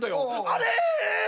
「あれ！